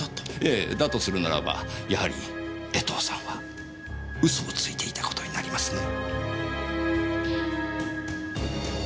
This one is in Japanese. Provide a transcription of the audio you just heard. ええだとするならばやはり江藤さんは嘘をついていたことになりますね。